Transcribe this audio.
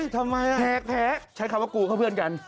ทำไมแพ้ใช้คำว่ากูเข้าเพื่อนกัน